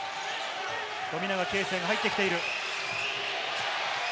富永啓生が入ってきている。